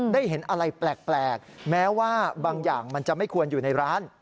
ได้เห็นอะไรแปลกแม้ว่าบางอย่างมันจะไม่ควรอยู่ในร้าน